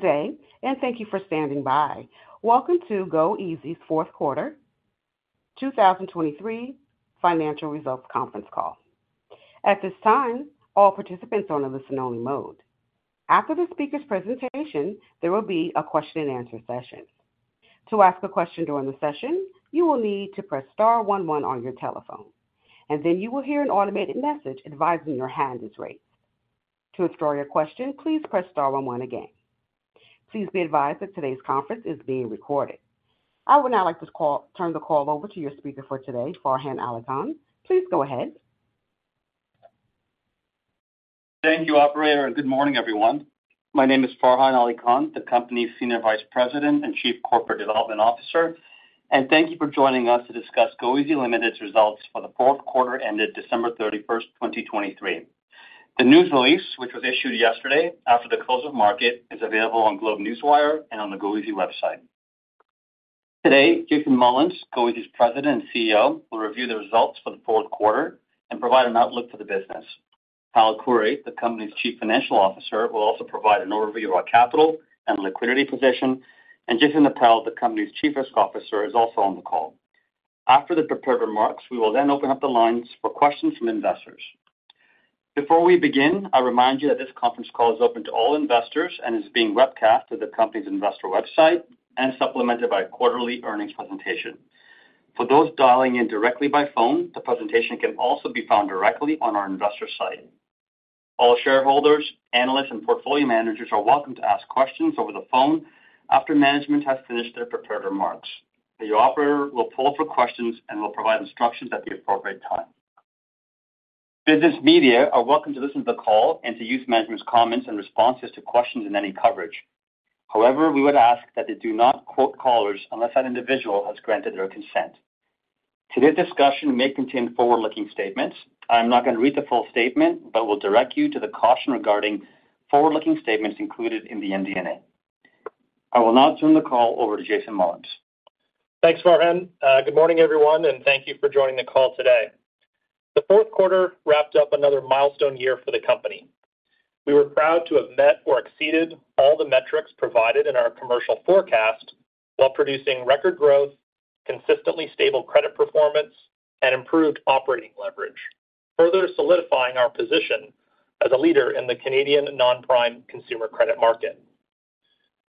Today, thank you for standing by. Welcome to goeasy's fourth quarter, 2023 financial results conference call. At this time, all participants are in a listen-only mode. After the speaker's presentation, there will be a question-and-answer session. To ask a question during the session, you will need to press star 11 on your telephone, and then you will hear an automated message advising your hand is raised. To withdraw your question, please press star one one again. Please be advised that today's conference is being recorded. I would now like to turn the call over to your speaker for today, Farhan Ali Khan. Please go ahead. Thank you, operator, and good morning, everyone. My name is Farhan Ali Khan, the company's Senior Vice President and Chief Corporate Development Officer, and thank you for joining us to discuss goeasy Ltd.'s results for the fourth quarter ended December 31st, 2023. The news release, which was issued yesterday after the close of market, is available on GlobeNewswire and on the goeasy website. Today, Jason Mullins, goeasy's President and CEO, will review the results for the fourth quarter and provide an outlook for the business. Hal Khouri, the company's Chief Financial Officer, will also provide an overview of our capital and liquidity position, and Jason Appel, the company's Chief Risk Officer, is also on the call. After the prepared remarks, we will then open up the lines for questions from investors. Before we begin, I remind you that this conference call is open to all investors and is being webcast to the company's investor website and supplemented by a quarterly earnings presentation. For those dialing in directly by phone, the presentation can also be found directly on our investor site. All shareholders, analysts, and portfolio managers are welcome to ask questions over the phone after management has finished their prepared remarks. The operator will poll for questions and will provide instructions at the appropriate time. Business media are welcome to listen to the call and to use management's comments and responses to questions in any coverage. However, we would ask that they do not quote callers unless that individual has granted their consent. Today's discussion may contain forward-looking statements. I am not going to read the full statement but will direct you to the caution regarding forward-looking statements included in the MD&A. I will now turn the call over to Jason Mullins. Thanks, Farhan. Good morning, everyone, and thank you for joining the call today. The fourth quarter wrapped up another milestone year for the company. We were proud to have met or exceeded all the metrics provided in our commercial forecast while producing record growth, consistently stable credit performance, and improved operating leverage, further solidifying our position as a leader in the Canadian non-prime consumer credit market.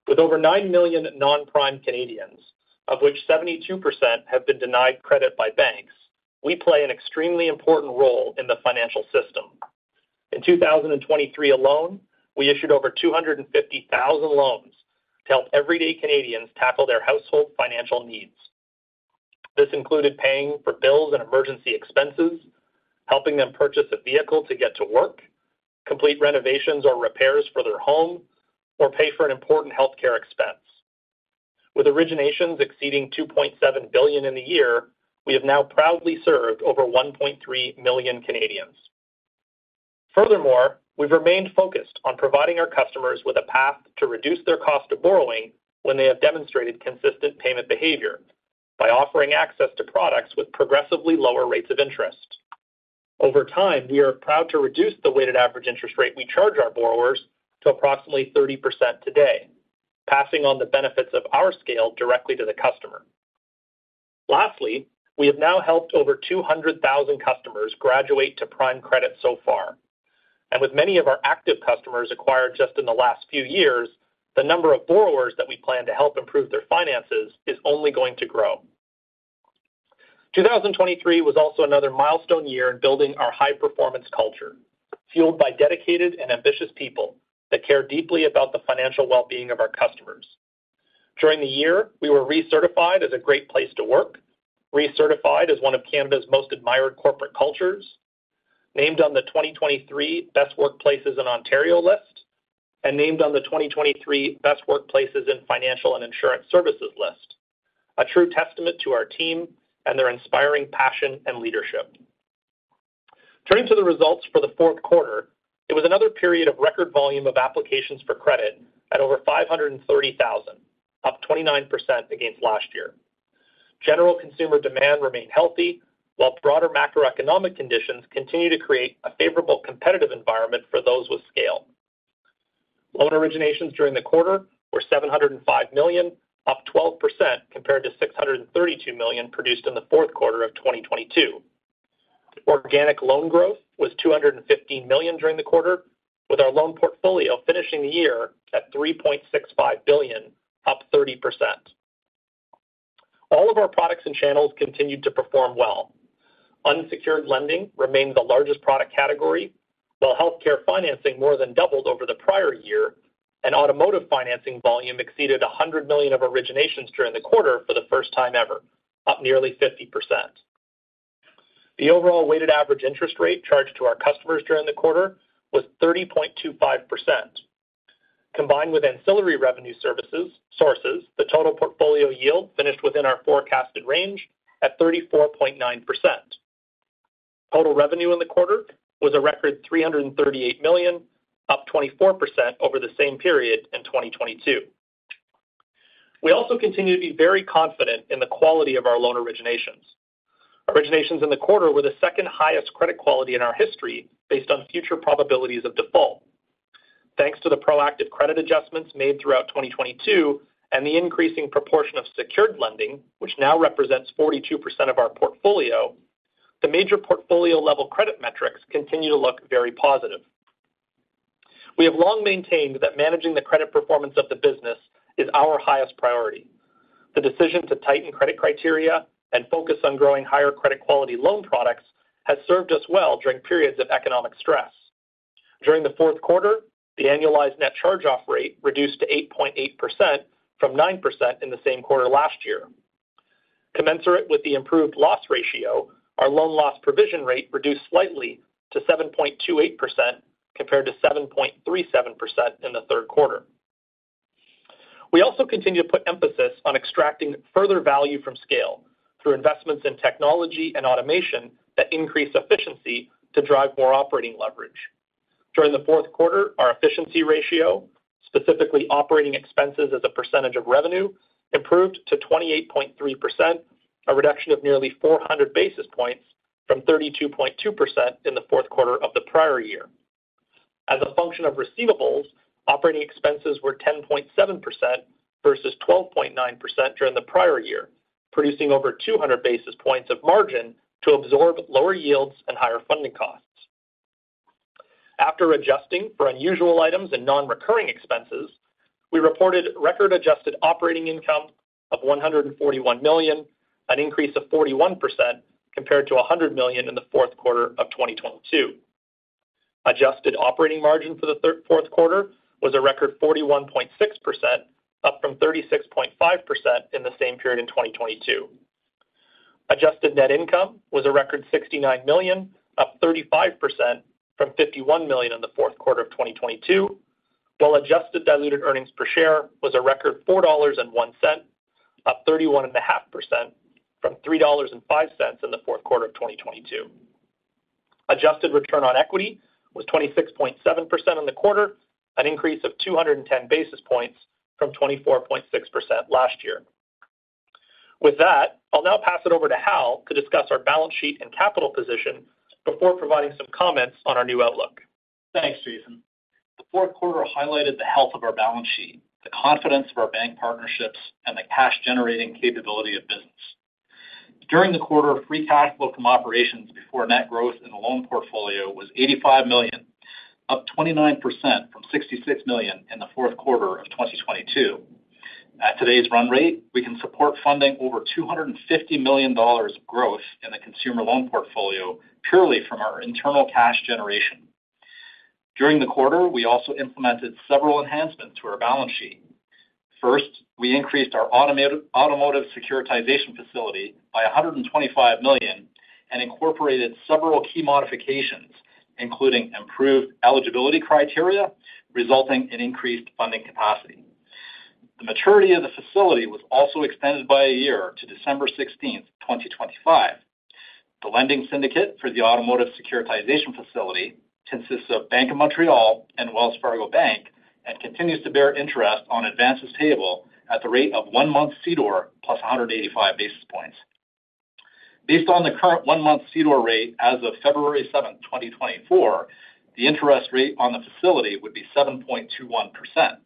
With over nine million non-prime Canadians, of which 72% have been denied credit by banks, we play an extremely important role in the financial system. In 2023 alone, we issued over 250,000 loans to help everyday Canadians tackle their household financial needs. This included paying for bills and emergency expenses, helping them purchase a vehicle to get to work, complete renovations or repairs for their home, or pay for an important healthcare expense. With originations exceeding 2.7 billion in the year, we have now proudly served over 1.3 million Canadians. Furthermore, we've remained focused on providing our customers with a path to reduce their cost of borrowing when they have demonstrated consistent payment behavior by offering access to products with progressively lower rates of interest. Over time, we are proud to reduce the weighted average interest rate we charge our borrowers to approximately 30% today, passing on the benefits of our scale directly to the customer. Lastly, we have now helped over 200,000 customers graduate to prime credit so far, and with many of our active customers acquired just in the last few years, the number of borrowers that we plan to help improve their finances is only going to grow. 2023 was also another milestone year in building our high-performance culture, fueled by dedicated and ambitious people that care deeply about the financial well-being of our customers. During the year, we were recertified as a Great Place to Work, recertified as one of Canada's Most Admired Corporate Cultures, named on the 2023 Best Workplaces in Ontario list, and named on the 2023 Best Workplaces in Financial and Insurance Services list, a true testament to our team and their inspiring passion and leadership. Turning to the results for the fourth quarter, it was another period of record volume of applications for credit at over 530,000, up 29% against last year. General consumer demand remained healthy while broader macroeconomic conditions continued to create a favorable competitive environment for those with scale. Loan originations during the quarter were 705 million, up 12% compared to 632 million produced in the fourth quarter of 2022. Organic loan growth was 215 million during the quarter, with our loan portfolio finishing the year at 3.65 billion, up 30%. All of our products and channels continued to perform well. Unsecured lending remained the largest product category, while healthcare financing more than doubled over the prior year, and automotive financing volume exceeded 100 million of originations during the quarter for the first time ever, up nearly 50%. The overall weighted average interest rate charged to our customers during the quarter was 30.25%. Combined with ancillary revenue sources, the total portfolio yield finished within our forecasted range at 34.9%. Total revenue in the quarter was a record 338 million, up 24% over the same period in 2022. We also continue to be very confident in the quality of our loan originations. Originations in the quarter were the second highest credit quality in our history based on future probabilities of default. Thanks to the proactive credit adjustments made throughout 2022 and the increasing proportion of secured lending, which now represents 42% of our portfolio, the major portfolio-level credit metrics continue to look very positive. We have long maintained that managing the credit performance of the business is our highest priority. The decision to tighten credit criteria and focus on growing higher credit quality loan products has served us well during periods of economic stress. During the fourth quarter, the annualized net charge-off rate reduced to 8.8% from 9% in the same quarter last year. Commensurate with the improved loss ratio, our loan loss provision rate reduced slightly to 7.28% compared to 7.37% in the third quarter. We also continue to put emphasis on extracting further value from scale through investments in technology and automation that increase efficiency to drive more operating leverage. During the fourth quarter, our efficiency ratio, specifically operating expenses as a percentage of revenue, improved to 28.3%, a reduction of nearly 400 basis points from 32.2% in the fourth quarter of the prior year. As a function of receivables, operating expenses were 10.7% versus 12.9% during the prior year, producing over 200 basis points of margin to absorb lower yields and higher funding costs. After adjusting for unusual items and non-recurring expenses, we reported record-adjusted operating income of 141 million, an increase of 41% compared to 100 million in the fourth quarter of 2022. Adjusted operating margin for the fourth quarter was a record 41.6%, up from 36.5% in the same period in 2022. Adjusted net income was a record 69 million, up 35% from 51 million in the fourth quarter of 2022, while adjusted diluted earnings per share was a record 4.01 dollars, up 31.5% from 3.05 in the fourth quarter of 2022. Adjusted return on equity was 26.7% in the quarter, an increase of 210 basis points from 24.6% last year. With that, I'll now pass it over to Hal to discuss our balance sheet and capital position before providing some comments on our new outlook. Thanks, Jason. The fourth quarter highlighted the health of our balance sheet, the confidence of our bank partnerships, and the cash-generating capability of business. During the quarter, free cash flow from operations before net growth in the loan portfolio was 85 million, up 29% from 66 million in the fourth quarter of 2022. At today's run rate, we can support funding over 250 million dollars of growth in the consumer loan portfolio purely from our internal cash generation. During the quarter, we also implemented several enhancements to our balance sheet. First, we increased our automotive securitization facility by 125 million and incorporated several key modifications, including improved eligibility criteria, resulting in increased funding capacity. The maturity of the facility was also extended by a year to December 16th, 2025. The lending syndicate for the automotive securitization facility consists of Bank of Montreal and Wells Fargo Bank and continues to bear interest on advances at the rate of one-month CDOR plus 185 basis points. Based on the current one-month CDOR rate as of February 7th, 2024, the interest rate on the facility would be 7.21%.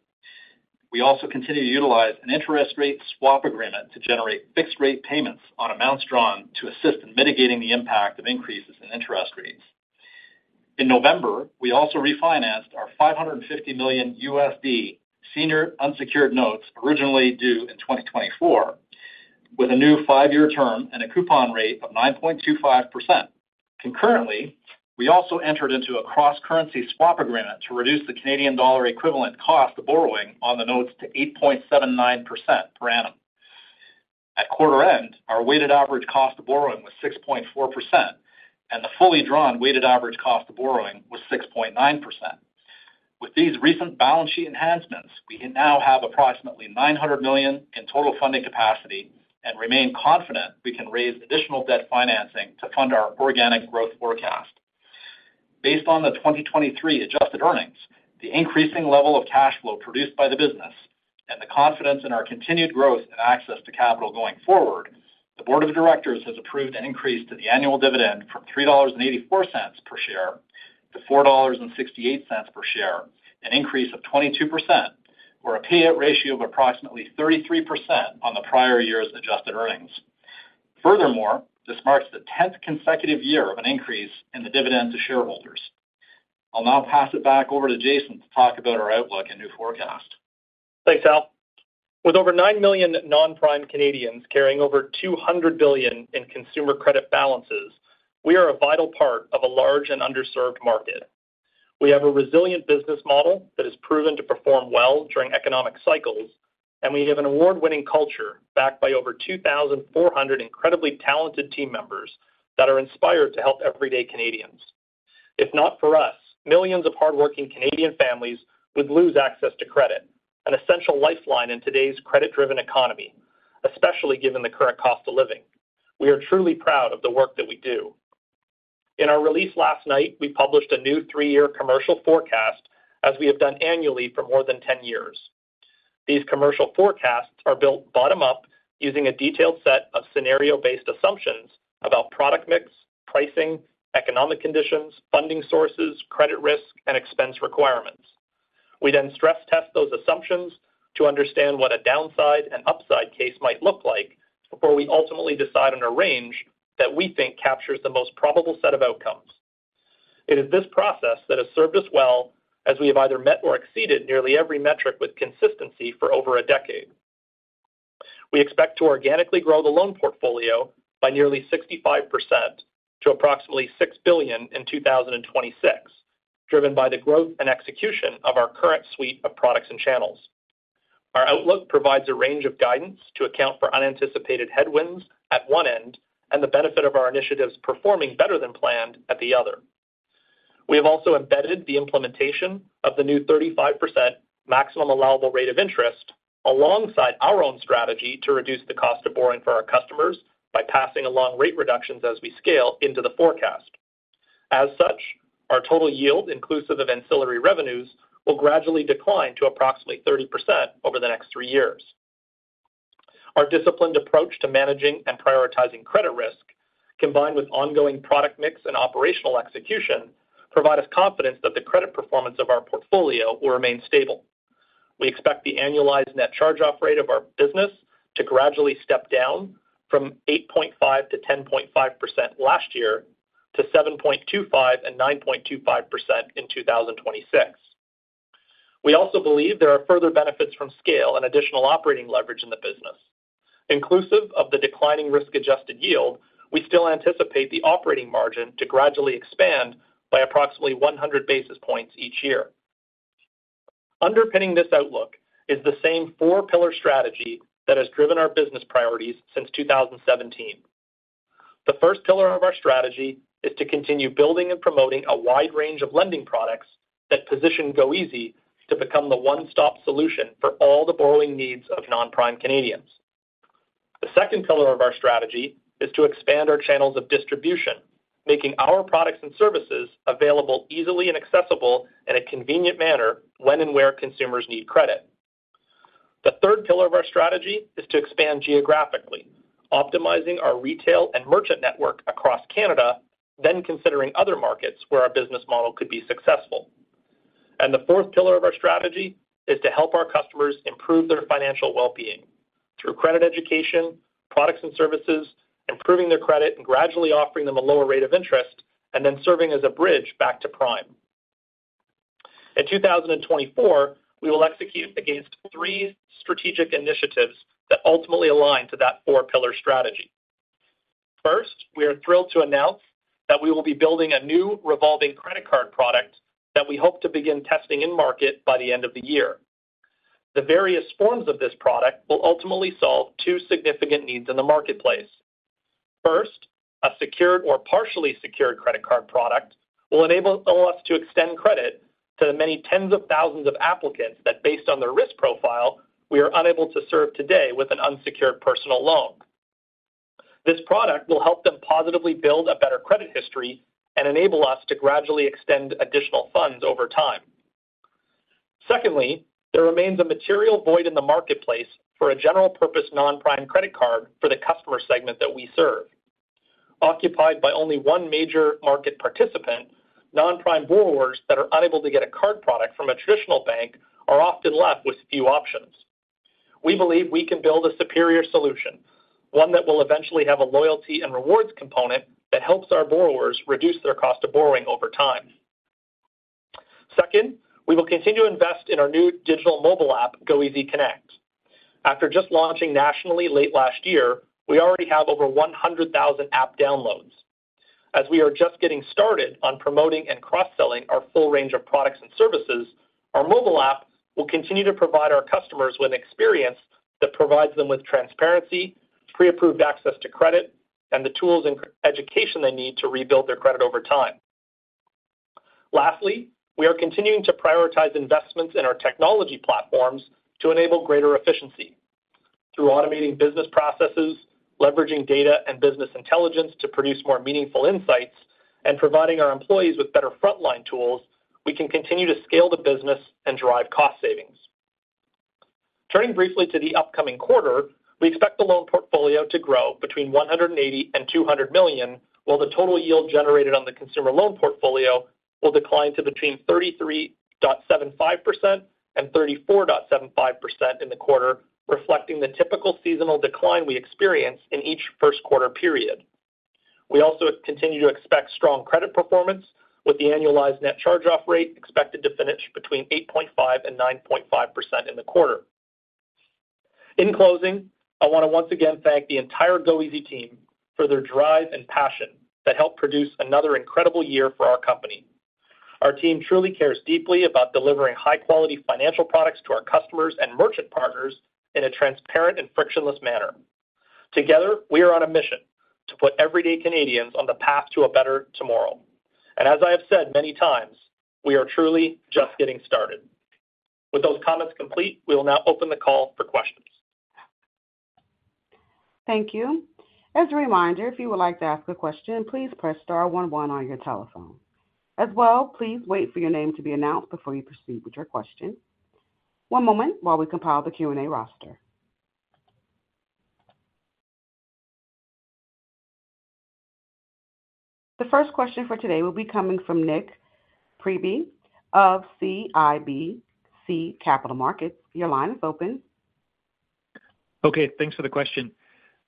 We also continue to utilize an interest rate swap agreement to generate fixed-rate payments on amounts drawn to assist in mitigating the impact of increases in interest rates. In November, we also refinanced our $550 million senior unsecured notes originally due in 2024 with a new five-year term and a coupon rate of 9.25%. Concurrently, we also entered into a cross-currency swap agreement to reduce the Canadian dollar equivalent cost of borrowing on the notes to 8.79% per annum. At quarter end, our weighted average cost of borrowing was 6.4%, and the fully drawn weighted average cost of borrowing was 6.9%. With these recent balance sheet enhancements, we now have approximately 900 million in total funding capacity and remain confident we can raise additional debt financing to fund our organic growth forecast. Based on the 2023 adjusted earnings, the increasing level of cash flow produced by the business, and the confidence in our continued growth and access to capital going forward, the board of directors has approved an increase to the annual dividend from 3.84 dollars per share to 4.68 dollars per share, an increase of 22%, or a payout ratio of approximately 33% on the prior year's adjusted earnings. Furthermore, this marks the tenth consecutive year of an increase in the dividend to shareholders. I'll now pass it back over to Jason to talk about our outlook and new forecast. Thanks, Hal. With over nine million non-prime Canadians carrying over 200 billion in consumer credit balances, we are a vital part of a large and underserved market. We have a resilient business model that has proven to perform well during economic cycles, and we have an award-winning culture backed by over 2,400 incredibly talented team members that are inspired to help everyday Canadians. If not for us, millions of hardworking Canadian families would lose access to credit, an essential lifeline in today's credit-driven economy, especially given the current cost of living. We are truly proud of the work that we do. In our release last night, we published a new three-year commercial forecast as we have done annually for more than 10 years. These commercial forecasts are built bottom-up using a detailed set of scenario-based assumptions about product mix, pricing, economic conditions, funding sources, credit risk, and expense requirements. We then stress-test those assumptions to understand what a downside and upside case might look like before we ultimately decide on a range that we think captures the most probable set of outcomes. It is this process that has served us well as we have either met or exceeded nearly every metric with consistency for over a decade. We expect to organically grow the loan portfolio by nearly 65% to approximately 6 billion in 2026, driven by the growth and execution of our current suite of products and channels. Our outlook provides a range of guidance to account for unanticipated headwinds at one end and the benefit of our initiatives performing better than planned at the other. We have also embedded the implementation of the new 35% maximum allowable rate of interest alongside our own strategy to reduce the cost of borrowing for our customers by passing along rate reductions as we scale into the forecast. As such, our total yield, inclusive of ancillary revenues, will gradually decline to approximately 30% over the next three years. Our disciplined approach to managing and prioritizing credit risk, combined with ongoing product mix and operational execution, provides us confidence that the credit performance of our portfolio will remain stable. We expect the annualized net charge-off rate of our business to gradually step down from 8.5%-10.5% last year to 7.25%-9.25% in 2026. We also believe there are further benefits from scale and additional operating leverage in the business. Inclusive of the declining risk-adjusted yield, we still anticipate the operating margin to gradually expand by approximately 100 basis points each year. Underpinning this outlook is the same four-pillar strategy that has driven our business priorities since 2017. The first pillar of our strategy is to continue building and promoting a wide range of lending products that position goeasy to become the one-stop solution for all the borrowing needs of non-prime Canadians. The second pillar of our strategy is to expand our channels of distribution, making our products and services available easily and accessible in a convenient manner when and where consumers need credit. The third pillar of our strategy is to expand geographically, optimizing our retail and merchant network across Canada, then considering other markets where our business model could be successful. The fourth pillar of our strategy is to help our customers improve their financial well-being through credit education, products and services, improving their credit and gradually offering them a lower rate of interest, and then serving as a bridge back to prime. In 2024, we will execute against three strategic initiatives that ultimately align to that four-pillar strategy. First, we are thrilled to announce that we will be building a new revolving credit card product that we hope to begin testing in market by the end of the year. The various forms of this product will ultimately solve two significant needs in the marketplace. First, a secured or partially secured credit card product will enable us to extend credit to the many tens of thousands of applicants that, based on their risk profile, we are unable to serve today with an unsecured personal loan. This product will help them positively build a better credit history and enable us to gradually extend additional funds over time. Secondly, there remains a material void in the marketplace for a general-purpose non-prime credit card for the customer segment that we serve. Occupied by only one major market participant, non-prime borrowers that are unable to get a card product from a traditional bank are often left with few options. We believe we can build a superior solution, one that will eventually have a loyalty and rewards component that helps our borrowers reduce their cost of borrowing over time. Second, we will continue to invest in our new digital mobile app, goeasy Connect. After just launching nationally late last year, we already have over 100,000 app downloads. As we are just getting started on promoting and cross-selling our full range of products and services, our mobile app will continue to provide our customers with an experience that provides them with transparency, pre-approved access to credit, and the tools and education they need to rebuild their credit over time. Lastly, we are continuing to prioritize investments in our technology platforms to enable greater efficiency. Through automating business processes, leveraging data and business intelligence to produce more meaningful insights, and providing our employees with better frontline tools, we can continue to scale the business and drive cost savings. Turning briefly to the upcoming quarter, we expect the loan portfolio to grow between 180 million and 200 million, while the total yield generated on the consumer loan portfolio will decline to between 33.75% and 34.75% in the quarter, reflecting the typical seasonal decline we experience in each first quarter period. We also continue to expect strong credit performance, with the annualized net charge-off rate expected to finish between 8.5%-9.5% in the quarter. In closing, I want to once again thank the entire goeasy team for their drive and passion that helped produce another incredible year for our company. Our team truly cares deeply about delivering high-quality financial products to our customers and merchant partners in a transparent and frictionless manner. Together, we are on a mission to put everyday Canadians on the path to a better tomorrow. And as I have said many times, we are truly just getting started. With those comments complete, we will now open the call for questions. Thank you. As a reminder, if you would like to ask a question, please press star one one on your telephone. As well, please wait for your name to be announced before you proceed with your question. One moment while we compile the Q&A roster. The first question for today will be coming from Nik Priebe of CIBC Capital Markets. Your line is open. Okay. Thanks for the question.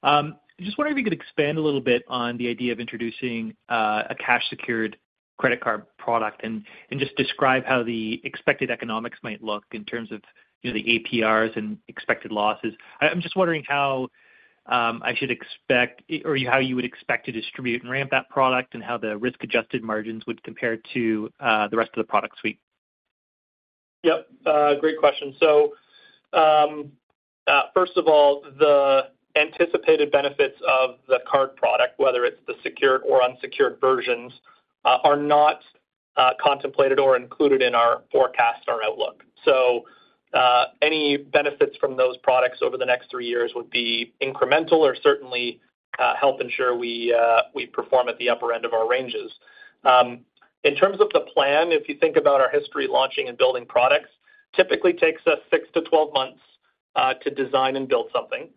I just wonder if you could expand a little bit on the idea of introducing a cash-secured credit card product and just describe how the expected economics might look in terms of the APRs and expected losses. I'm just wondering how I should expect or how you would expect to distribute and ramp that product and how the risk-adjusted margins would compare to the rest of the product suite. Yep. Great question. So first of all, the anticipated benefits of the card product, whether it's the secured or unsecured versions, are not contemplated or included in our forecast, our outlook. So any benefits from those products over the next three years would be incremental or certainly help ensure we perform at the upper end of our ranges. In terms of the plan, if you think about our history launching and building products, typically takes us 6-12 months to design and build something.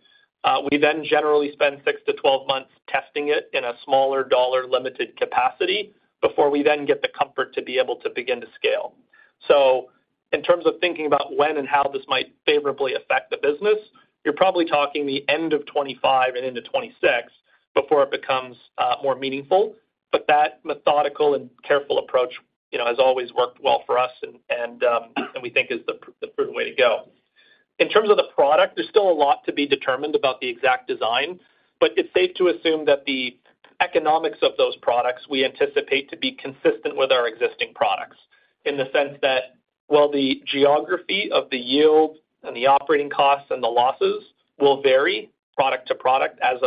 We then generally spend 6-12 months testing it in a smaller dollar-limited capacity before we then get the comfort to be able to begin to scale. So in terms of thinking about when and how this might favorably affect the business, you're probably talking the end of 2025 and into 2026 before it becomes more meaningful. But that methodical and careful approach has always worked well for us, and we think is the prudent way to go. In terms of the product, there's still a lot to be determined about the exact design, but it's safe to assume that the economics of those products we anticipate to be consistent with our existing products in the sense that, while the geography of the yield and the operating costs and the losses will vary product to product, as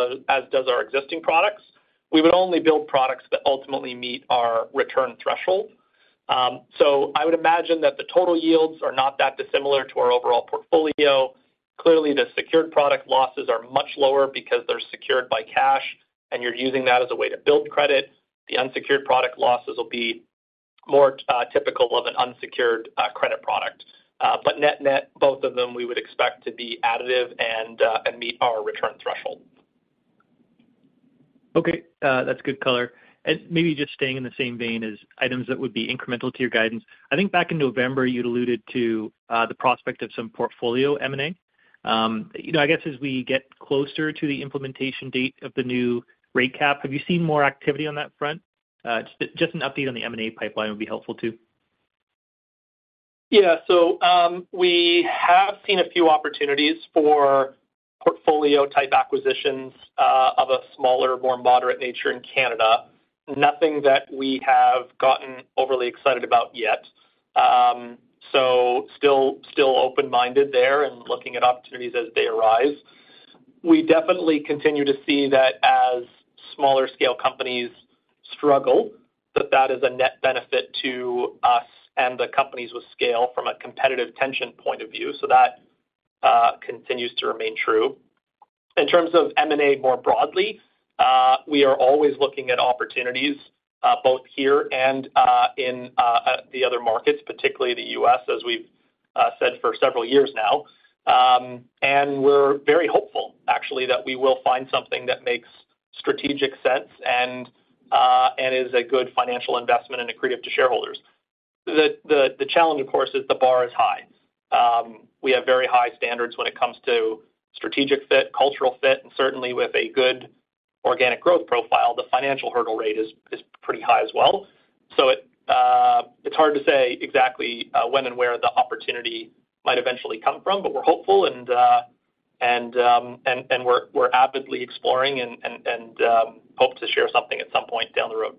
does our existing products, we would only build products that ultimately meet our return threshold. So I would imagine that the total yields are not that dissimilar to our overall portfolio. Clearly, the secured product losses are much lower because they're secured by cash, and you're using that as a way to build credit. The unsecured product losses will be more typical of an unsecured credit product. Net-net, both of them we would expect to be additive and meet our return threshold. Okay. That's good color. And maybe just staying in the same vein as items that would be incremental to your guidance, I think back in November, you'd alluded to the prospect of some portfolio M&A. I guess as we get closer to the implementation date of the new rate cap, have you seen more activity on that front? Just an update on the M&A pipeline would be helpful too. Yeah. So we have seen a few opportunities for portfolio-type acquisitions of a smaller, more moderate nature in Canada. Nothing that we have gotten overly excited about yet. So still open-minded there and looking at opportunities as they arise. We definitely continue to see that as smaller-scale companies struggle, that that is a net benefit to us and the companies with scale from a competitive tension point of view. So that continues to remain true. In terms of M&A more broadly, we are always looking at opportunities both here and in the other markets, particularly the U.S., as we've said for several years now. And we're very hopeful, actually, that we will find something that makes strategic sense and is a good financial investment and accretive to shareholders. The challenge, of course, is the bar is high. We have very high standards when it comes to strategic fit, cultural fit, and certainly with a good organic growth profile, the financial hurdle rate is pretty high as well. So it's hard to say exactly when and where the opportunity might eventually come from, but we're hopeful, and we're avidly exploring and hope to share something at some point down the road.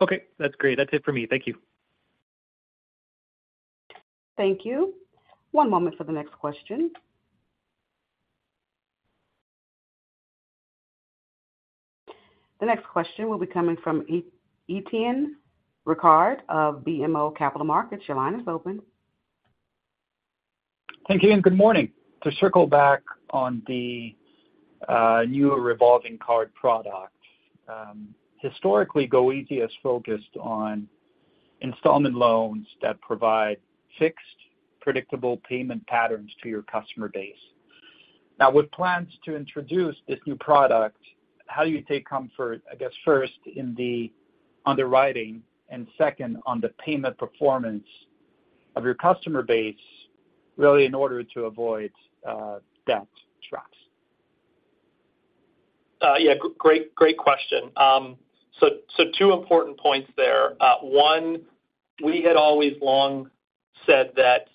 Okay. That's great. That's it for me. Thank you. Thank you. One moment for the next question. The next question will be coming from Étienne Ricard of BMO Capital Markets. Your line is open. Thank you, and good morning. To circle back on the new revolving card product, historically, goeasy has focused on installment loans that provide fixed, predictable payment patterns to your customer base. Now, with plans to introduce this new product, how do you take comfort, I guess, first in the underwriting and second on the payment performance of your customer base, really, in order to avoid debt traps? Yeah. Great question. So two important points there. One, we had always long said that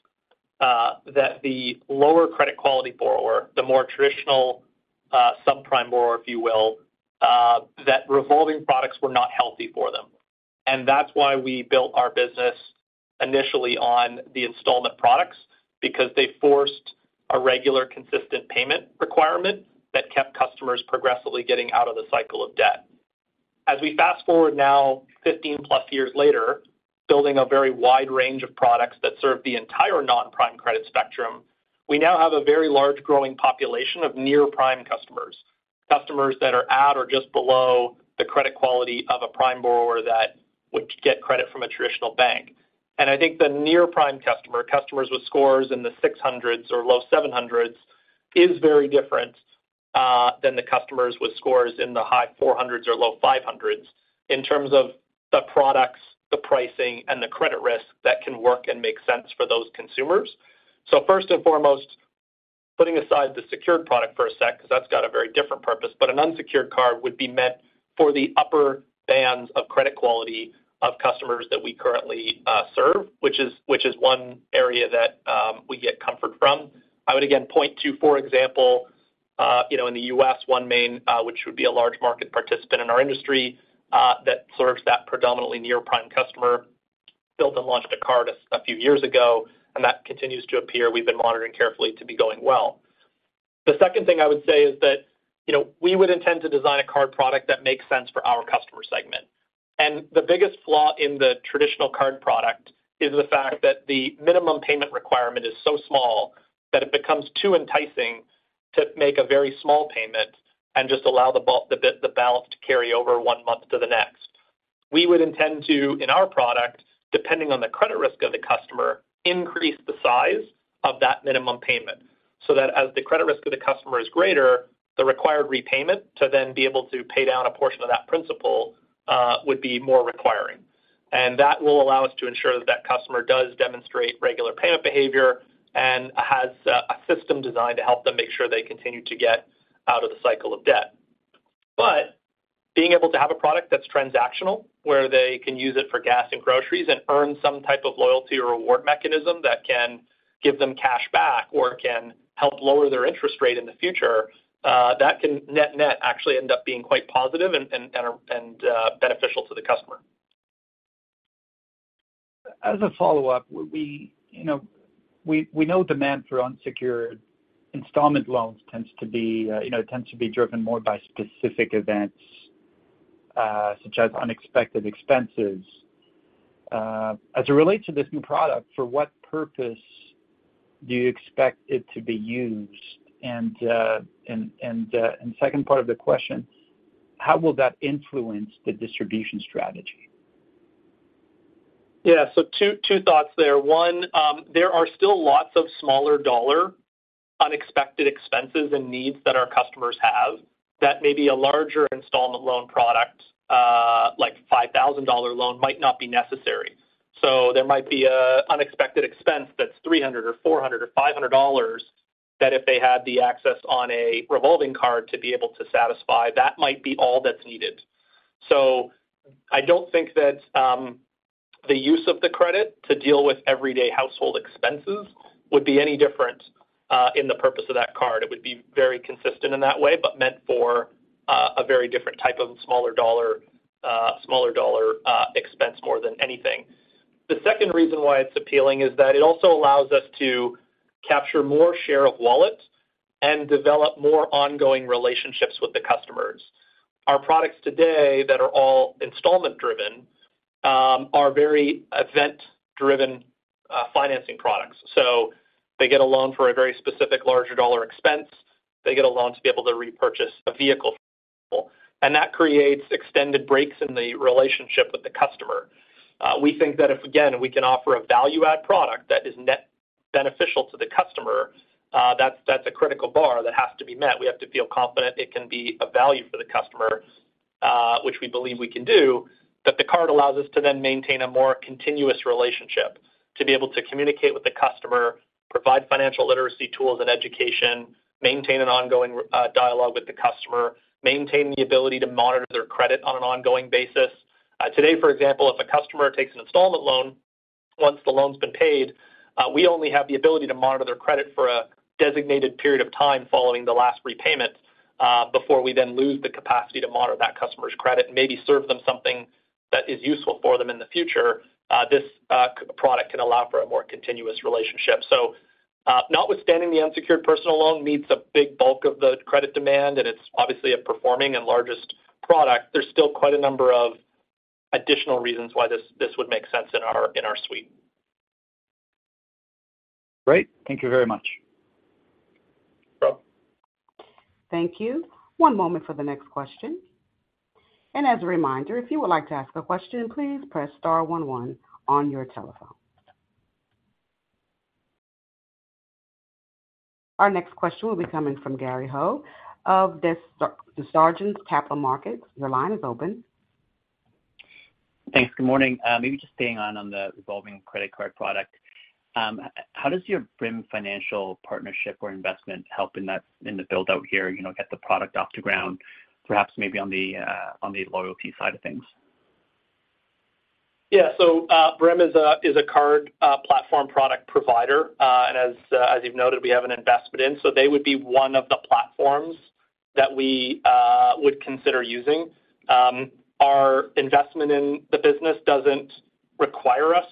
the lower credit quality borrower, the more traditional subprime borrower, if you will, that revolving products were not healthy for them. And that's why we built our business initially on the installment products, because they forced a regular, consistent payment requirement that kept customers progressively getting out of the cycle of debt. As we fast forward now, 15+ years later, building a very wide range of products that serve the entire non-prime credit spectrum, we now have a very large growing population of near-prime customers, customers that are at or just below the credit quality of a prime borrower that would get credit from a traditional bank. I think the near-prime customer, customers with scores in the 600s or low 700s, is very different than the customers with scores in the high 400s or low 500s in terms of the products, the pricing, and the credit risk that can work and make sense for those consumers. First and foremost, putting aside the secured product for a sec because that's got a very different purpose, but an unsecured card would be meant for the upper bands of credit quality of customers that we currently serve, which is one area that we get comfort from. I would again point to, for example, in the U.S., OneMain, which would be a large market participant in our industry that serves that predominantly near-prime customer, built and launched a card a few years ago, and that continues to appear. We've been monitoring carefully to be going well. The second thing I would say is that we would intend to design a card product that makes sense for our customer segment. The biggest flaw in the traditional card product is the fact that the minimum payment requirement is so small that it becomes too enticing to make a very small payment and just allow the balance to carry over one month to the next. We would intend to, in our product, depending on the credit risk of the customer, increase the size of that minimum payment so that as the credit risk of the customer is greater, the required repayment to then be able to pay down a portion of that principal would be more requiring. That will allow us to ensure that that customer does demonstrate regular payment behavior and has a system designed to help them make sure they continue to get out of the cycle of debt. But being able to have a product that's transactional, where they can use it for gas and groceries and earn some type of loyalty or reward mechanism that can give them cash back or can help lower their interest rate in the future, that can net-net actually end up being quite positive and beneficial to the customer. As a follow-up, we know demand for unsecured installment loans tends to be driven more by specific events such as unexpected expenses. As it relates to this new product, for what purpose do you expect it to be used? And second part of the question, how will that influence the distribution strategy? Yeah. So two thoughts there. One, there are still lots of smaller dollar unexpected expenses and needs that our customers have that maybe a larger installment loan product, like a 5,000 dollar loan, might not be necessary. So there might be an unexpected expense that's 300 or 400 or 500 dollars that if they had the access on a revolving card to be able to satisfy, that might be all that's needed. So I don't think that the use of the credit to deal with everyday household expenses would be any different in the purpose of that card. It would be very consistent in that way but meant for a very different type of smaller dollar expense more than anything. The second reason why it's appealing is that it also allows us to capture more share of wallet and develop more ongoing relationships with the customers. Our products today that are all installment-driven are very event-driven financing products. So they get a loan for a very specific larger dollar expense. They get a loan to be able to repurchase a vehicle. And that creates extended breaks in the relationship with the customer. We think that if, again, we can offer a value-add product that is net beneficial to the customer, that's a critical bar that has to be met. We have to feel confident it can be of value for the customer, which we believe we can do, that the card allows us to then maintain a more continuous relationship to be able to communicate with the customer, provide financial literacy tools and education, maintain an ongoing dialogue with the customer, maintain the ability to monitor their credit on an ongoing basis. Today, for example, if a customer takes an installment loan, once the loan's been paid, we only have the ability to monitor their credit for a designated period of time following the last repayment before we then lose the capacity to monitor that customer's credit and maybe serve them something that is useful for them in the future. This product can allow for a more continuous relationship. Notwithstanding, the unsecured personal loan meets a big bulk of the credit demand, and it's obviously a performing and largest product. There's still quite a number of additional reasons why this would make sense in our suite. Great. Thank you very much. No problem. Thank you. One moment for the next question. As a reminder, if you would like to ask a question, please press star one one on your telephone. Our next question will be coming from Gary Ho of Desjardins Capital Markets. Your line is open. Thanks. Good morning. Maybe just staying on the revolving credit card product, how does your Brim Financial partnership or investment help in the build-out here, get the product off the ground, perhaps maybe on the loyalty side of things? Yeah. So Brim is a card platform product provider. And as you've noted, we have an investment in. So they would be one of the platforms that we would consider using. Our investment in the business doesn't require us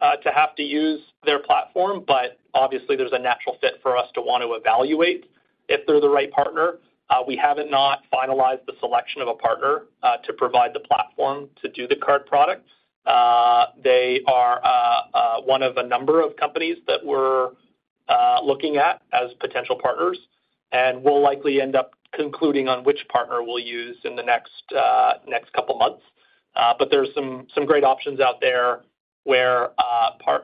to have to use their platform, but obviously, there's a natural fit for us to want to evaluate if they're the right partner. We haven't not finalized the selection of a partner to provide the platform to do the card product. They are one of a number of companies that we're looking at as potential partners and will likely end up concluding on which partner we'll use in the next couple of months. But there's some great options out there where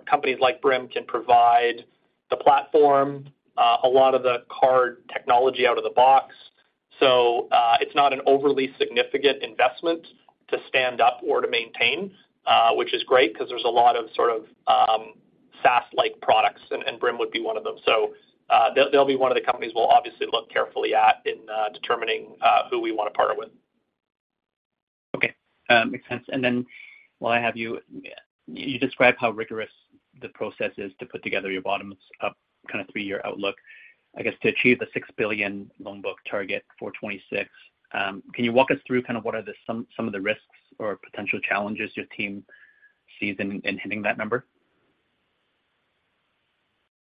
companies like Brim can provide the platform, a lot of the card technology out of the box. So it's not an overly significant investment to stand up or to maintain, which is great because there's a lot of sort of SaaS-like products, and Brim would be one of them. So they'll be one of the companies we'll obviously look carefully at in determining who we want to partner with. Okay. Makes sense. And then while I have you, you describe how rigorous the process is to put together your bottom-up kind of three-year outlook, I guess, to achieve the 6 billion loan book target for 2026. Can you walk us through kind of what are some of the risks or potential challenges your team sees in hitting that number?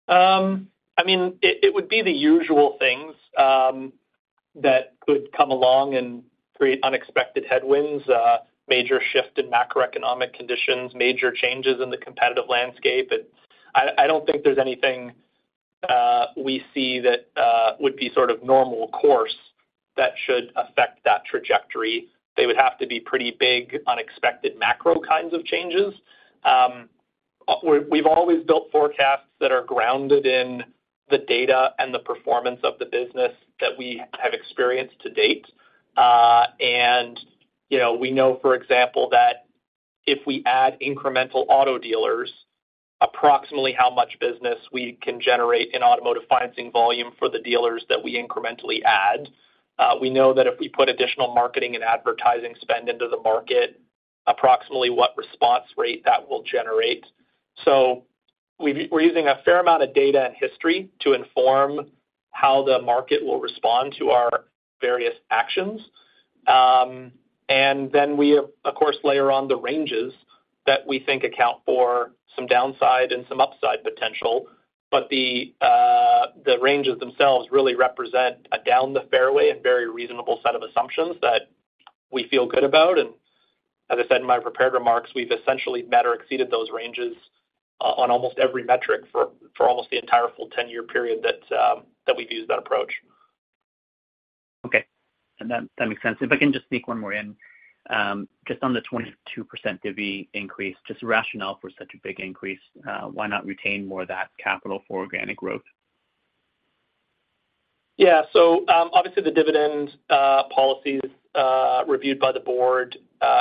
I mean, it would be the usual things that could come along and create unexpected headwinds, major shift in macroeconomic conditions, major changes in the competitive landscape. I don't think there's anything we see that would be sort of normal course that should affect that trajectory. They would have to be pretty big unexpected macro kinds of changes. We've always built forecasts that are grounded in the data and the performance of the business that we have experienced to date. And we know, for example, that if we add incremental auto dealers, approximately how much business we can generate in automotive financing volume for the dealers that we incrementally add. We know that if we put additional marketing and advertising spend into the market, approximately what response rate that will generate. So we're using a fair amount of data and history to inform how the market will respond to our various actions. And then we, of course, layer on the ranges that we think account for some downside and some upside potential. But the ranges themselves really represent a down the fairway and very reasonable set of assumptions that we feel good about. And as I said in my prepared remarks, we've essentially met or exceeded those ranges on almost every metric for almost the entire full 10-year period that we've used that approach. Okay. That makes sense. If I can just sneak one more in, just on the 22% divvy increase, just rationale for such a big increase, why not retain more of that capital for organic growth? Yeah. So obviously, the dividend policies reviewed by the board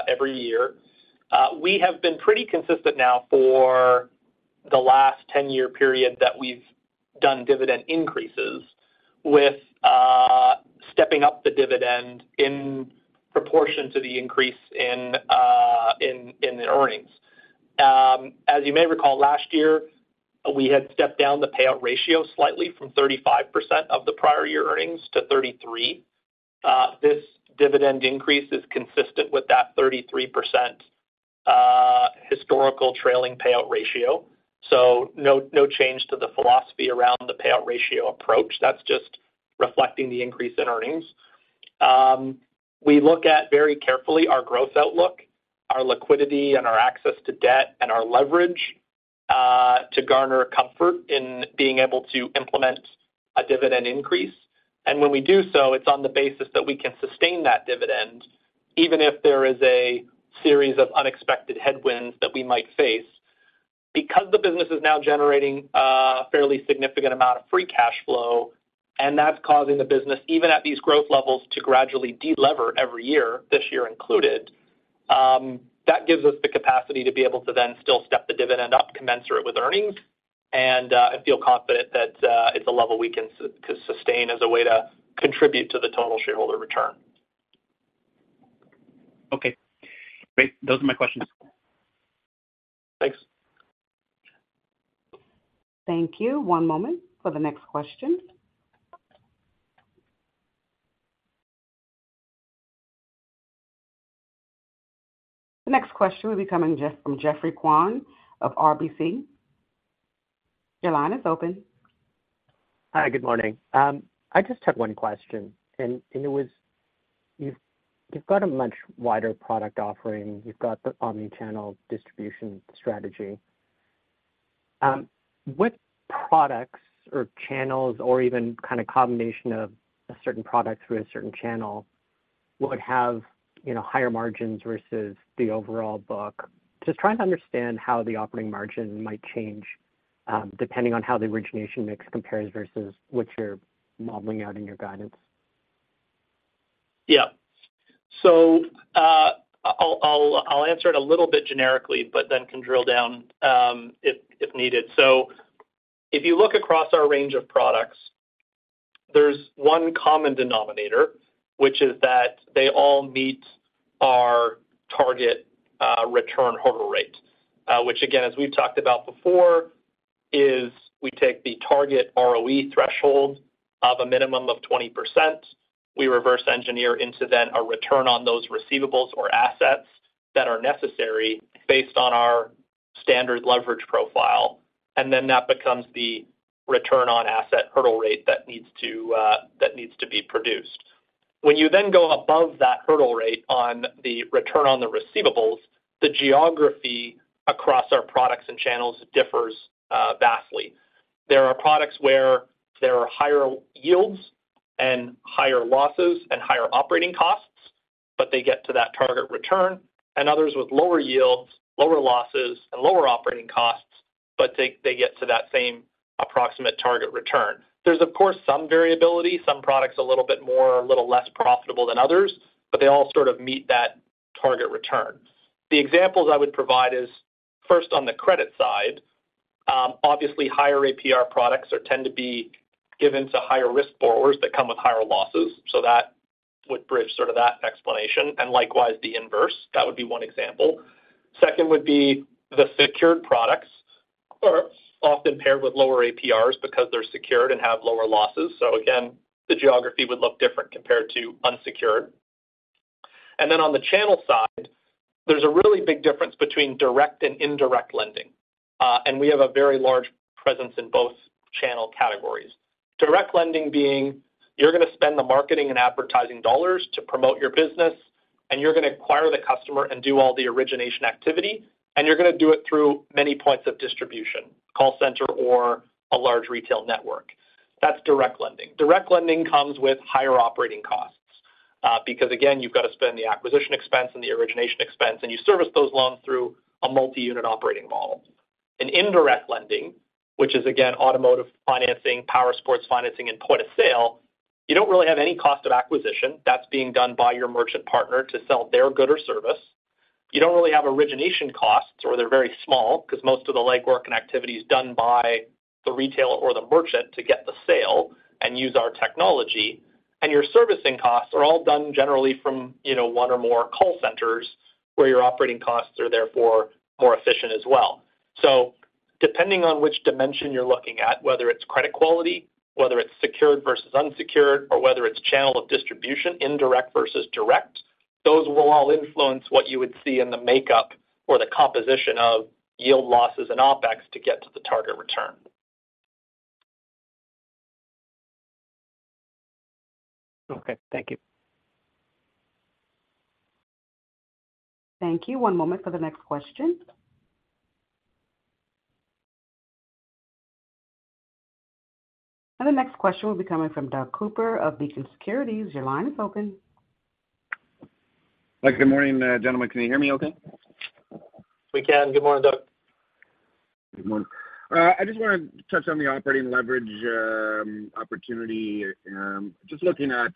every year. We have been pretty consistent now for the last 10-year period that we've done dividend increases with stepping up the dividend in proportion to the increase in the earnings. As you may recall, last year, we had stepped down the payout ratio slightly from 35% of the prior year earnings to 33%. This dividend increase is consistent with that 33% historical trailing payout ratio. So no change to the philosophy around the payout ratio approach. That's just reflecting the increase in earnings. We look at very carefully our growth outlook, our liquidity, and our access to debt and our leverage to garner comfort in being able to implement a dividend increase. When we do so, it's on the basis that we can sustain that dividend, even if there is a series of unexpected headwinds that we might face. Because the business is now generating a fairly significant amount of free cash flow, and that's causing the business, even at these growth levels, to gradually de-lever every year, this year included, that gives us the capacity to be able to then still step the dividend up, commensurate with earnings, and feel confident that it's a level we can sustain as a way to contribute to the total shareholder return. Okay. Great. Those are my questions. Thanks. Thank you. One moment for the next question. The next question will be coming from Geoffrey Kwan of RBC. Your line is open. Hi. Good morning. I just had one question, and it was you've got a much wider product offering. You've got the omnichannel distribution strategy. What products or channels or even kind of combination of a certain product through a certain channel would have higher margins versus the overall book? Just trying to understand how the operating margin might change depending on how the origination mix compares versus what you're modeling out in your guidance. Yeah. So I'll answer it a little bit generically but then can drill down if needed. So if you look across our range of products, there's one common denominator, which is that they all meet our target return hurdle rate, which, again, as we've talked about before, is we take the target ROE threshold of a minimum of 20%. We reverse engineer into then a return on those receivables or assets that are necessary based on our standard leverage profile. And then that becomes the return on asset hurdle rate that needs to be produced. When you then go above that hurdle rate on the return on the receivables, the geography across our products and channels differs vastly. There are products where there are higher yields and higher losses and higher operating costs, but they get to that target return, and others with lower yields, lower losses, and lower operating costs, but they get to that same approximate target return. There's, of course, some variability. Some products are a little bit more or a little less profitable than others, but they all sort of meet that target return. The examples I would provide is first, on the credit side, obviously, higher APR products tend to be given to higher-risk borrowers that come with higher losses. So that would bridge sort of that explanation. And likewise, the inverse. That would be one example. Second would be the secured products are often paired with lower APRs because they're secured and have lower losses. So again, the geography would look different compared to unsecured. And then on the channel side, there's a really big difference between direct and indirect lending. We have a very large presence in both channel categories, direct lending being you're going to spend the marketing and advertising dollars to promote your business, and you're going to acquire the customer and do all the origination activity, and you're going to do it through many points of distribution, call center, or a large retail network. That's direct lending. Direct lending comes with higher operating costs because, again, you've got to spend the acquisition expense and the origination expense, and you service those loans through a multi-unit operating model. In indirect lending, which is, again, automotive financing, powersports financing, and point of sale, you don't really have any cost of acquisition. That's being done by your merchant partner to sell their good or service. You don't really have origination costs, or they're very small because most of the legwork and activity is done by the retailer or the merchant to get the sale and use our technology. And your servicing costs are all done generally from one or more call centers where your operating costs are therefore more efficient as well. So depending on which dimension you're looking at, whether it's credit quality, whether it's secured versus unsecured, or whether it's channel of distribution, indirect versus direct, those will all influence what you would see in the makeup or the composition of yield, losses, and OpEx to get to the target return. Okay. Thank you. Thank you. One moment for the next question. The next question will be coming from Doug Cooper of Beacon Securities. Your line is open. Hi. Good morning, gentlemen. Can you hear me okay? We can. Good morning, Doug. Good morning. I just want to touch on the operating leverage opportunity. Just looking at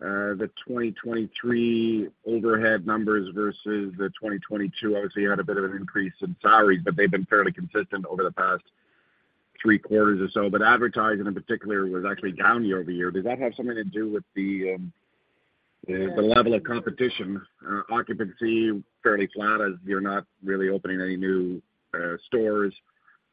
the 2023 overhead numbers versus the 2022, obviously, you had a bit of an increase in salaries, but they've been fairly consistent over the past three quarters or so. But advertising, in particular, was actually down year-over-year. Does that have something to do with the level of competition? Occupancy fairly flat as you're not really opening any new stores.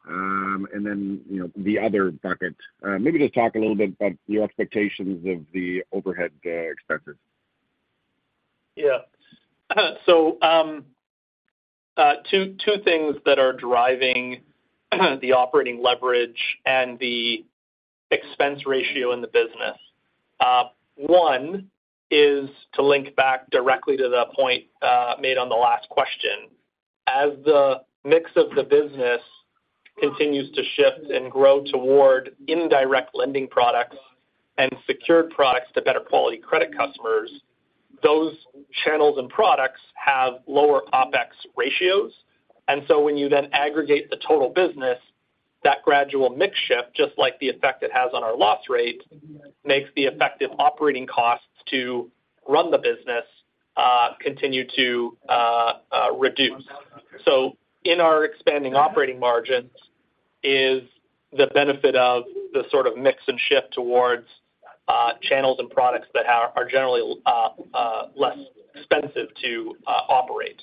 And then the other bucket, maybe just talk a little bit about your expectations of the overhead expenses. Yeah. So two things that are driving the operating leverage and the expense ratio in the business. One is to link back directly to the point made on the last question. As the mix of the business continues to shift and grow toward indirect lending products and secured products to better-quality credit customers, those channels and products have lower OpEx ratios. And so when you then aggregate the total business, that gradual mix shift, just like the effect it has on our loss rate, makes the effective operating costs to run the business continue to reduce. So in our expanding operating margins is the benefit of the sort of mix and shift towards channels and products that are generally less expensive to operate.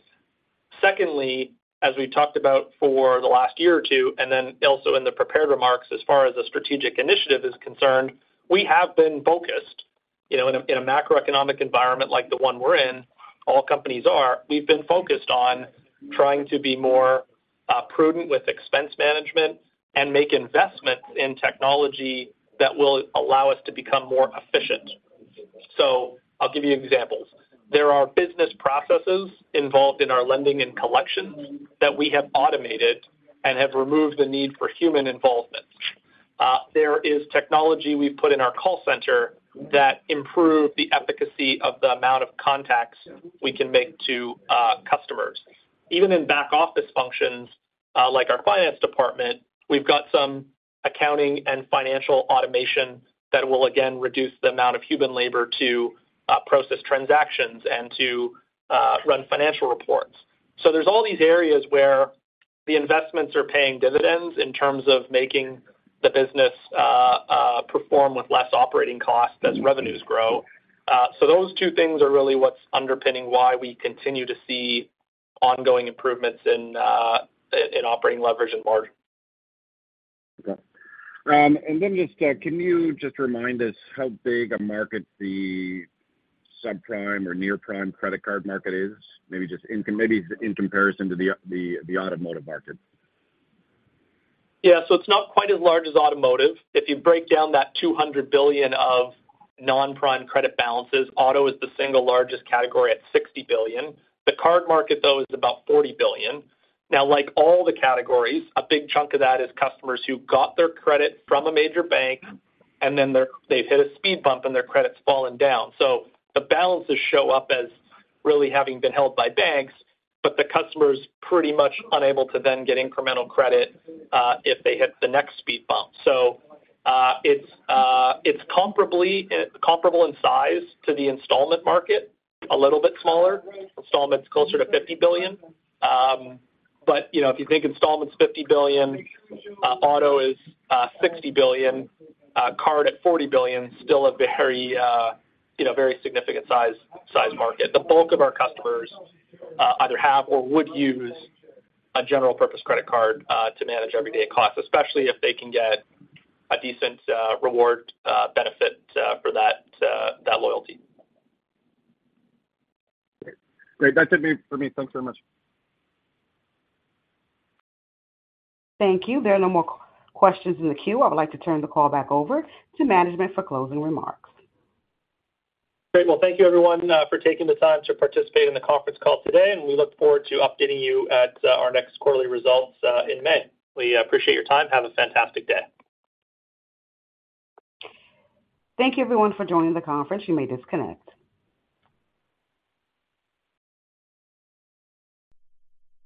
Secondly, as we've talked about for the last year or two, and then also in the prepared remarks, as far as a strategic initiative is concerned, we have been focused, in a macroeconomic environment like the one we're in, all companies are, on trying to be more prudent with expense management and make investments in technology that will allow us to become more efficient. So I'll give you examples. There are business processes involved in our lending and collections that we have automated and have removed the need for human involvement. There is technology we've put in our call center that improved the efficacy of the amount of contacts we can make to customers. Even in back-office functions like our finance department, we've got some accounting and financial automation that will, again, reduce the amount of human labor to process transactions and to run financial reports. There's all these areas where the investments are paying dividends in terms of making the business perform with less operating costs as revenues grow. Those two things are really what's underpinning why we continue to see ongoing improvements in operating leverage and margin. Okay. And then can you just remind us how big a market the subprime or near-prime credit card market is, maybe just in comparison to the automotive market? Yeah. So it's not quite as large as automotive. If you break down that 200 billion of non-prime credit balances, auto is the single largest category at 60 billion. The card market, though, is about 40 billion. Now, like all the categories, a big chunk of that is customers who got their credit from a major bank, and then they've hit a speed bump and their credit's fallen down. So the balances show up as really having been held by banks, but the customer's pretty much unable to then get incremental credit if they hit the next speed bump. So it's comparable in size to the installment market, a little bit smaller. Installment's closer to 50 billion. But if you think installment's 50 billion, auto is 60 billion, card at 40 billion, still a very significant size market. The bulk of our customers either have or would use a general-purpose credit card to manage everyday costs, especially if they can get a decent reward benefit for that loyalty. Great. That's it for me. Thanks very much. Thank you. There are no more questions in the queue. I would like to turn the call back over to management for closing remarks. Great. Well, thank you, everyone, for taking the time to participate in the conference call today. We look forward to updating you at our next quarterly results in May. We appreciate your time. Have a fantastic day. Thank you, everyone, for joining the conference. You may disconnect.